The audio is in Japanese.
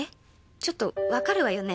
ちょっとわかるわよね？